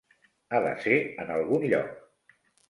Ha de ser en algun lloc.